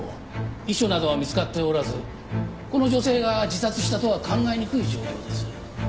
遺書などは見つかっておらずこの女性が自殺したとは考えにくい状況です。